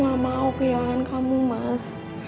aku gak mau kehilangan kamu mas